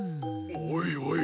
おいおい。